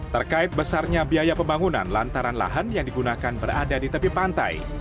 terkait besarnya biaya pembangunan lantaran lahan yang digunakan berada di tepi pantai